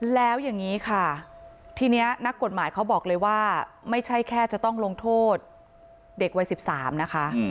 แล้วอย่างนี้ค่ะทีนี้นักกฎหมายเขาบอกเลยว่าไม่ใช่แค่จะต้องลงโทษเด็กวัย๑๓นะคะ